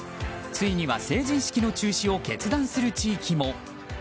ついには成人式の中止を決断する地域も。